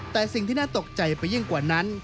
แต่สิ่งที่น่าตกใจไปยิ่งกว่านั้น